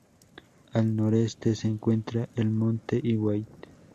Al noreste se encuentra el monte Iwate.